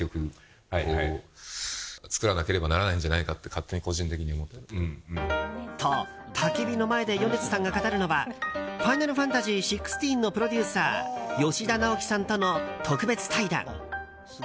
ゲームから生まれた新曲。と、たき火の前で米津さんが語るのは「ファイナルファンタジー１６」のプロデューサー吉田直樹さんとの特別対談。